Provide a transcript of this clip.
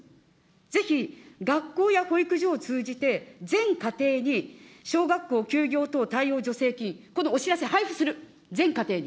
ぜひ学校や保育所を通じて、全家庭に小学校休業等対応助成金、このお知らせ配付する、全家庭に。